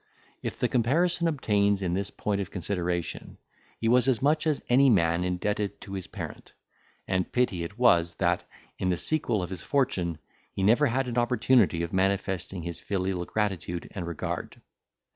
If the comparison obtains in this point of consideration, he was as much as any man indebted to his parent; and pity it was, that, in the sequel of his fortune, he never had an opportunity of manifesting his filial gratitude and regard.